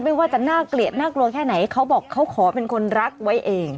ไม่ว่าจะน่าเกลียดน่ากลัวแค่ไหนเขาบอกเขาขอเป็นคนรักไว้เอง